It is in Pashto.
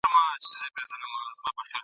در واري سم ګل اناره چي رانه سې !.